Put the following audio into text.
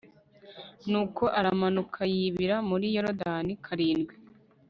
nuko aramanuka yibira muri yorodani karindwi